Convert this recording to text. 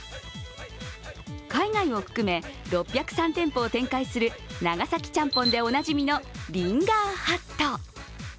海外を含め６０３店舗を展開する長崎ちゃんぽんでおなじみのリンガーハット。